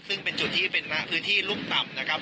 ซึ่งเป็นจุดที่เป็นพื้นที่รุ่มต่ำนะครับ